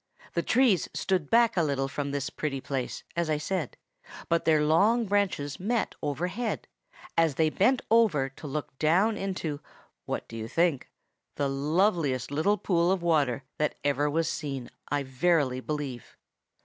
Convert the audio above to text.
The trees stood back a little from this pretty place, as I said; but their long branches met overhead, as they bent over to look down into—what do you think?—the loveliest little pool of water that ever was seen, I verily believe.